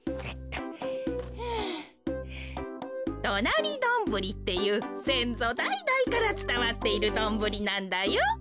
どなりドンブリっていうせんぞだいだいからつたわっているドンブリなんだよ。